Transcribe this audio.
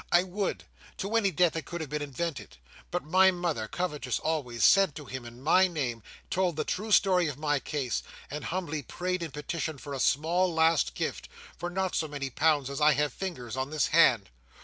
I would! To any death that could have been invented. But my mother, covetous always, sent to him in my name, told the true story of my case, and humbly prayed and petitioned for a small last gift—for not so many pounds as I have fingers on this hand.